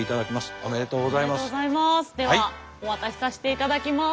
ではお渡しさせていただきます。